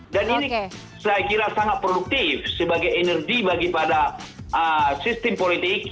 dan ini saya kira sangat produktif sebagai energi bagi pada sistem politik